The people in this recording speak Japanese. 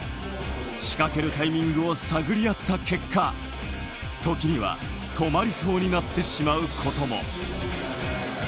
仕掛けるタイミングを探り合った結果、時には止まりそうになってしまうことも。